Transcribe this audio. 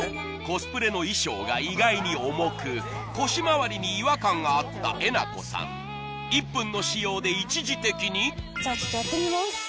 コスプレの衣装が意外に重く腰まわりに違和感があったえなこさん１分の使用で一時的にじゃちょっとやってみます